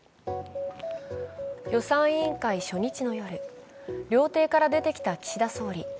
予算委員会初日の夜、料亭から出てきた岸田総理。